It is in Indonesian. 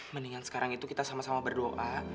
mendingan sekarang itu kita sama sama berdoa